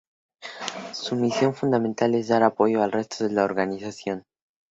Su misión fundamental es dar apoyo al resto de la organización.